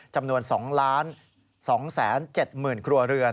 จำนวน๒๒๗๐๐๐ครัวเรือน